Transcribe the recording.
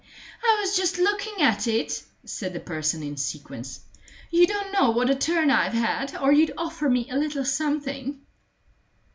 "I was just looking at it," said the person in sequins. "You don't know what a turn I've had, or you'd offer me a little something."